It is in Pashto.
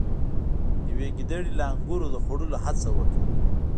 یوې ګیدړې له انګورو د خوړلو هڅه وکړه.